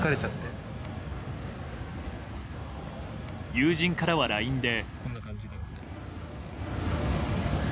友人からはＬＩＮＥで。